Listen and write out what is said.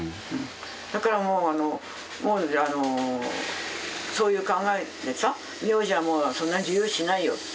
だからもうそういう考えでさ名字はもうそんなに重要視しないよ。